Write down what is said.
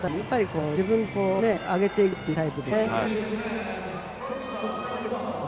自分で上げていくというタイプですね。